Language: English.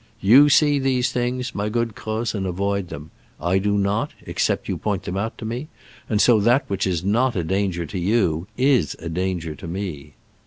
"You see these things, my good Croz, and avoid them. I do not, except you point them out to me, and so that which is not a danger to you is a danger to me."